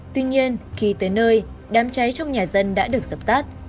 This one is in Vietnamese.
tuy nhiên khi tới nơi đám cháy trong nhà dân đã được dập tắt